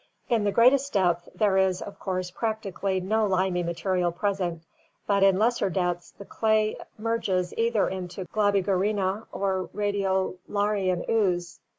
In the greatest depths there is of course practically no limy material present, but in lesser depths the clay merges either into Globigerina or Radiolarian ooze.